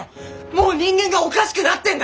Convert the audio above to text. もう人間がおかしくなってんだ！